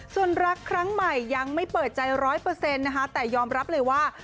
ส่วนรักครั้งใหม่ยังไม่เปิดใจ๑๐๐นะคะแต่ยอมรับเลยว่า